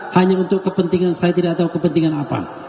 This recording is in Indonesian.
hanya untuk kepentingan saya tidak tahu kepentingan apa